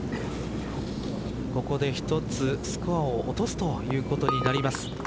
ここで１つスコアを落とすということになります。